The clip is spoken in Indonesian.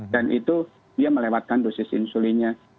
dan itu dia melewatkan dosis insulinnya